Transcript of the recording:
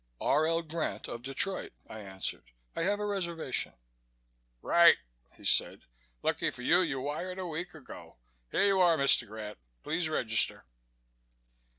"R. L. Grant of Detroit," I answered. "I have a reservation." "Right," he said. "Lucky for you you wired a week ago. Here you are, Mr. Grant. Please register."